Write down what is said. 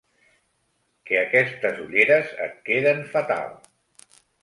Que aquestes ulleres et queden fatal!